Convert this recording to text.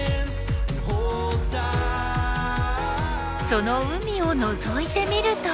その海をのぞいてみると。